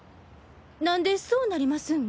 何でそうなりますん？